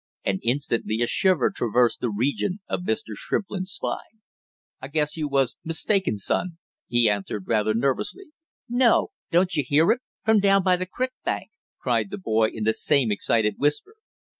And instantly a shiver traversed the region of Mr. Shrimplin's spine. "I guess you was mistaken, son!" he answered rather nervously. "No, don't you hear it from down by the crick bank?" cried the boy in the same excited whisper.